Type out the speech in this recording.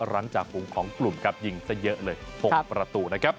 หลังจากฝูงของกลุ่มครับยิงซะเยอะเลย๖ประตูนะครับ